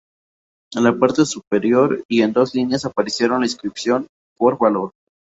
En la parte superior, y en dos líneas, aparece la inscripción "For Valor".